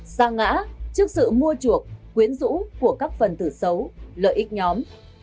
sao ngã trước sự mua chuộc quyến rũ của các phần tử xấu lợi ích nhóm